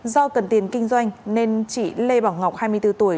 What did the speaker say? do cần tiền kinh doanh nên chị lê bảo ngọc hai mươi bốn tuổi